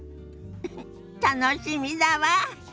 ウフ楽しみだわ！